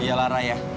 ya lara ya